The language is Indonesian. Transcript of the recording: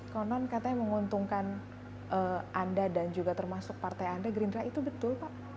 konon katanya menguntungkan anda dan juga termasuk partai anda gerindra itu betul pak